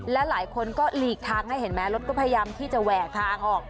และหลายคนก็หลีกทางให้เห็นไหมรถก็พยายามที่จะแหวกทางออก